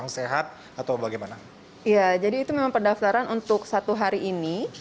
jadi itu memang pendaftaran untuk satu hari ini